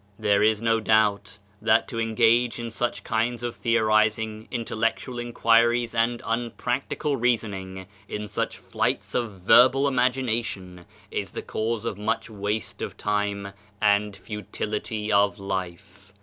There is no doubt that to engage in such kinds of theorizing, intellectual inquiries and unprac tical reasoning, in such flights of verbal imagina tion, is the cause of much waste of time and futil 119 Digitized by Google MYSTERIOUS FORCES ity of life.